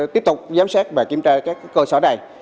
tiếp tục giám sát và kiểm tra các cơ sở này